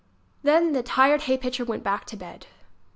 Then the tired hay pitcher went back to bed!